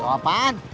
ngasih tau apaan